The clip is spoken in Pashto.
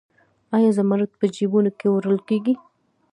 آیا زمرد په جیبونو کې وړل کیږي؟